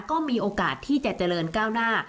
ก็มีโอกาสที่จะเจริญก้าวหน้า